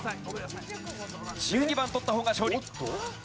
１２番取った方が勝利。